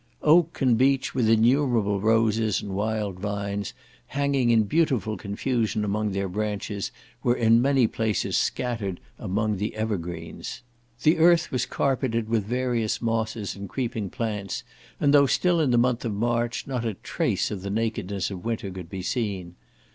Oak and beech, with innumerable roses and wild vines, hanging in beautiful confusion among their branches, were in many places scattered among the evergreens. The earth was carpeted with various mosses and creeping plants, and though still in the month of March, not a trace of the nakedness of winter could be seen.